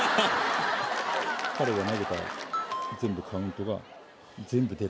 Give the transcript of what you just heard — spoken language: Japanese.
彼が投げた全部カウントが全部出る。